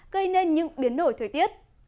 gây nên những biến nổi thời tiết